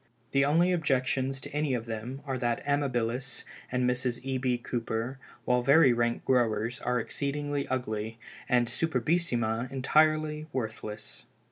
The only objections to any of them are that Amabilis and Mrs. E. B. Cooper, while very rank growers, are exceedingly ugly, and Superbissima entirely worthless.